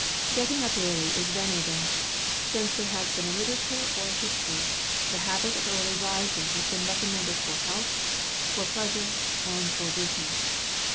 Getting up early is venerable. Since there has been a literature or a history, the habit of early rising has been recommended for health, for pleasure, and for business.